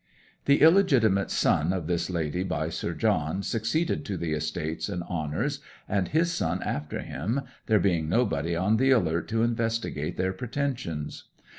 The illegitimate son of this lady by Sir John succeeded to the estates and honours, and his son after him, there being nobody on the alert to investigate their pretensions.